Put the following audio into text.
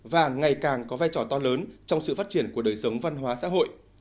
và ngày càng có vai trò to lớn trong sự phát triển của đời sống văn hóa xã hội